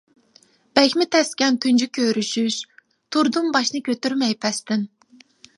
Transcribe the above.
بەكمۇ تەسكەن تۇنجى كۆرۈشۈش، تۇردۇم باشنى كۆتۈرمەي پەستىن.